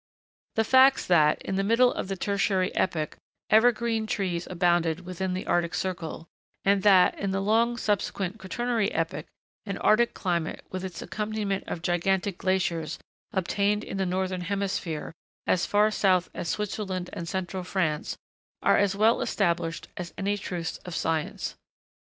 The facts that, in the middle of the Tertiary epoch, evergreen trees abounded within the arctic circle; and that, in the long subsequent Quaternary epoch, an arctic climate, with its accompaniment of gigantic glaciers, obtained in the northern hemisphere, as far south as Switzerland and Central France, are as well established as any truths of science.